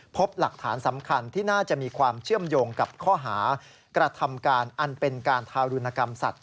พบหลักฐานสำคัญที่น่าจะมีความเชื่อมโยงกับข้อหากระทำการอันเป็นการทารุณกรรมสัตว